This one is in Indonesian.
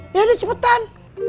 ya udah cepetan